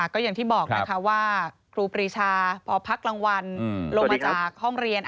ก็อย่างที่บอกนะคะว่าครูปรีชาพอพักรางวัลลงมาจากห้องเรียน